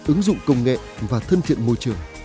ứng dụng công nghệ và thân thiện môi trường